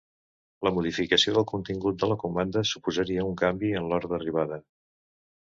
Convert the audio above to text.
La modificació del contingut de la comanda suposaria un canvi en l'hora d'arribada.